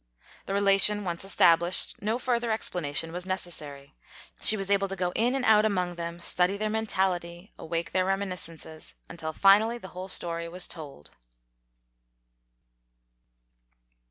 The re lation once established, no further explanation was necessary. She was able to go in and out among them, study their mentality, awake their reminiscences, until finally the whole story was told.